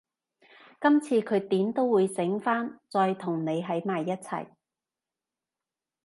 今次佢點都會醒返，再同你喺埋一齊